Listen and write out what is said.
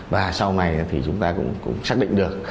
và sau này thì chúng ta cũng xác định được